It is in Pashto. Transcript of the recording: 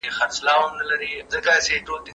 کوم شيان د نکاح د ځنډ سبب ګرځي؟